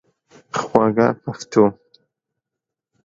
خوږه پښتو